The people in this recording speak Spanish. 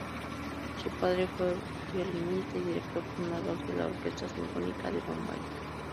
Su padre fue violinista y director fundador de la Orquesta Sinfónica de Bombay.